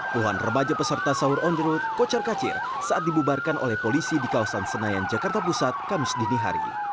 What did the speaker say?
puluhan remaja peserta sahur on the road kocar kacir saat dibubarkan oleh polisi di kawasan senayan jakarta pusat kamis dinihari